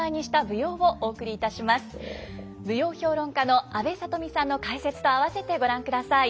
舞踊評論家の阿部さとみさんの解説とあわせてご覧ください。